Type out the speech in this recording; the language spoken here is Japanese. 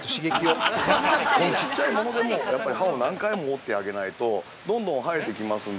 ◆このちっちゃいものでもやっぱり歯を何回も折ってあげないとどんどん生えてきますんで。